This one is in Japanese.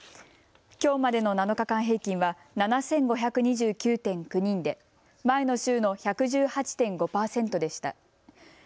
きょうまでの７日間平均は７５２９．９人で前の週の１１８．５％でした。